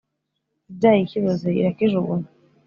• ibyaye ikiboze irakijugunya